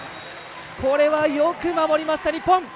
これはよく守りました、日本。